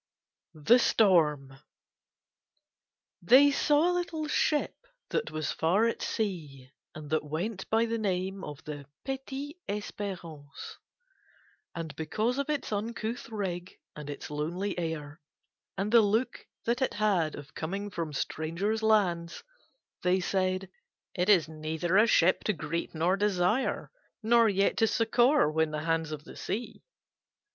THE STORM They saw a little ship that was far at sea and that went by the name of the Petite Espérance. And because of its uncouth rig and its lonely air and the look that it had of coming from strangers' lands they said: "It is neither a ship to greet nor desire, nor yet to succor when in the hands of the sea."